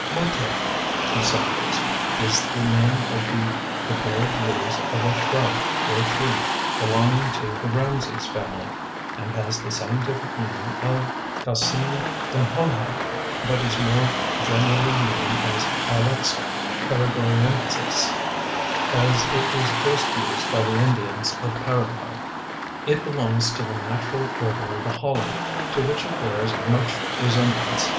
Mate (two syllables) is the name of the prepared leaves of a shrub or tree belonging to the Rhamses family, and has the scientific name of Cassine gonhonha, but is more generally known as Ilex paraguayensis, as it was first used by the Indians of Paraguay. It belongs to the natural order of the holly, to which it bears much resemblance.